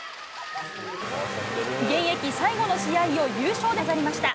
現役最後の試合を優勝で飾りました。